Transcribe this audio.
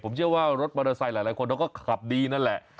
ผมเชื่อว่ารถมอเตอร์ไซค์หลายคนเขาก็ขับดีนั่นแหละ